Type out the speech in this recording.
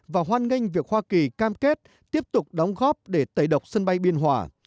và hoan nghênh việc hoa kỳ cam kết tiếp tục đóng góp để tẩy độc sân bay biên hòa